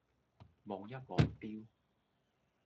望一望錶